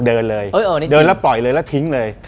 เดินเลยเดินแล้วปล่อยเลยแล้วทิ้งเลย